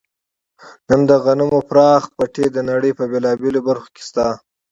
نن د غنمو پراخ پټي د نړۍ په بېلابېلو برخو کې شته.